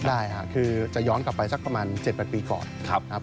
ได้ค่ะคือจะย้อนกลับไปสักประมาณเจ็ดแปดปีก่อนครับครับ